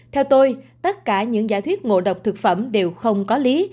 theo tôi tất cả những giả thuyết ngộ độc thực phẩm đều không có lý